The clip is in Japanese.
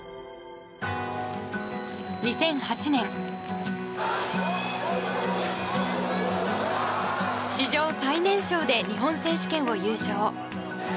２００８年史上最年少で日本選手権を優勝。